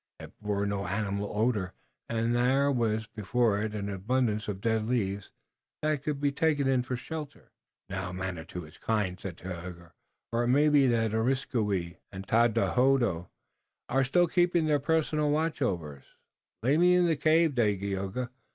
It bore no animal odor, and there was before it an abundance of dead leaves that could be taken in for shelter. "Now Manitou is kind," said Tayoga, "or it may be that Areskoui and Tododaho are still keeping their personal watch over us. Lay me in the cave, Dagaeoga.